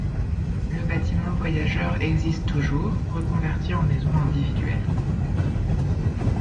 Le bâtiment voyageurs existe toujours, reconverti en maison individuelle.